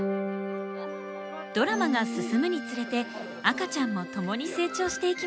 ドラマが進むにつれて赤ちゃんも共に成長していきます。